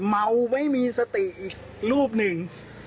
เมาไม่มีสติอีกรูปหนึ่ง